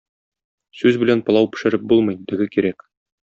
Сүз белән пылау пешереп булмый, дөге кирәк.